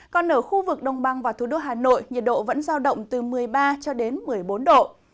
còn ở khu vực đông băng và thủ đô hà nội nhiệt độ vẫn giao động từ một mươi ba cho đến một mươi bốn độ